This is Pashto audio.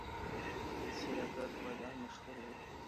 سیاه ګرد بادام مشهور دي؟